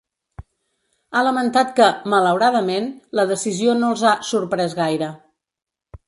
Ha lamentat que “malauradament” la decisió no els ha “sorprès gaire”.